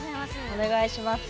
お願いします